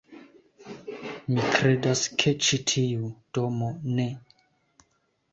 Mi kredas, ke ĉi tiu domo ne...